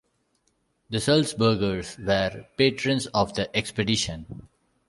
The Sulzbergers were patrons of the expedition.